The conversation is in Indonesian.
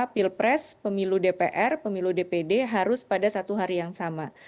pilpres pemilu dpr pemilu dpd harus pada satu hari yang sama